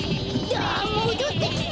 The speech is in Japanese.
だあもどってきた！